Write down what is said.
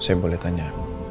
saya boleh tanya